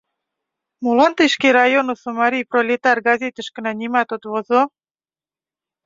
Молан тый шке районысо «Марий пролетар» газетышкына нимат от возо?